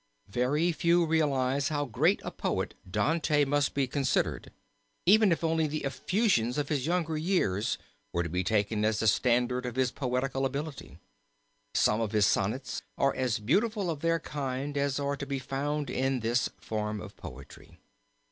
Very few realize how great a poet Dante must be considered even if only the effusions of his younger years were to be taken as the standard of his poetical ability. Some of his sonnets are as beautiful of their kind as are to be found in this form of poetry.